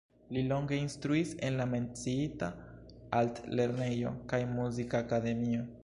Li longe instruis en la menciita altlernejo kaj Muzikakademio.